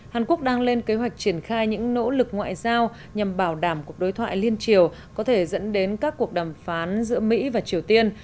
hàn quốc đang lên kế hoạch triển khai những nỗ lực ngoại giao nhằm bảo đảm cuộc đối thoại liên triều có thể dẫn đến các cuộc đàm phán giữa mỹ và triều tiên